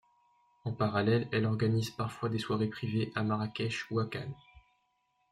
En parallèle, elle organise parfois des soirées privées à Marakech ou à Cannes.